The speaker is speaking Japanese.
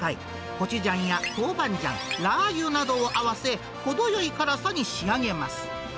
コチュジャンやトウバンジャン、ラー油などを合わせ、程よい辛さに仕上げます。